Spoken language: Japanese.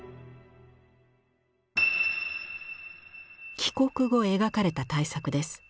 帰国後描かれた大作です。